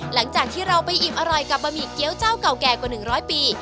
หลังจากที่เราไปอิ่มอร่อยกับบะหมี่เกี้ยวเจ้าเก่าแก่กว่า๑๐๐ปี